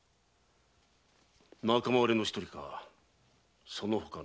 仲間割れの一人かそのほかの誰かか。